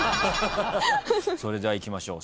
それではいきましょう。